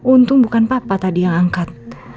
untung bukan papa tadi yang angkat